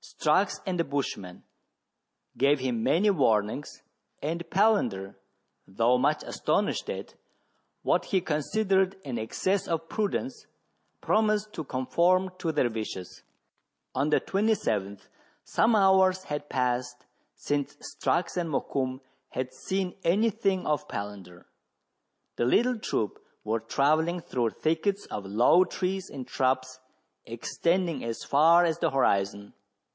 Strux and the bushman gave him many warnings, and Palander, though much astonished at what he considered an excess of prudence, promised to conform to their wishes. On the 27th, some hours had passed since Strux and Mokoum had seen any thing of Palander. The little troop were travelling through thickets of low trees and shrubs, extending as far as the horizon.